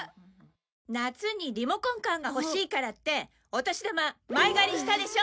夏にリモコンカーが欲しいからってお年玉前借りしたでしょ。